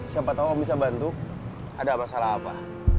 siapa tau om bisa bantu ada masalah apa